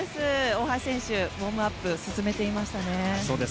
大橋選手ウォームアップ進めていました。